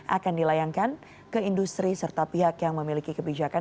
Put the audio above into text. akan dilayangkan ke industri serta pihak yang memiliki kebijakan